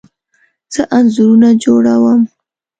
زه انځورونه جوړه وم